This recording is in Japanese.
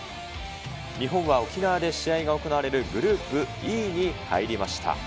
日本は沖縄で試合が行われるグループＥに入りました。